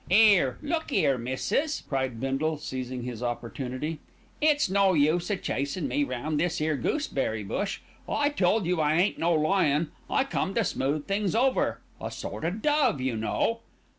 "'Ere, look 'ere, missis," cried Bindle, seizing his opportunity. "It's no use a chasin' me round this 'ere gooseberry bush. I told you I ain't no lion. I come to smooth things over. A sort o' dove, you know."